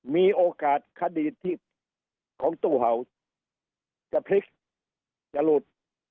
มีโอกาสคดีที่ของตู้เห่าจะพลิกจะหลุด